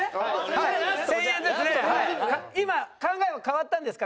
今考えは変わったんですか？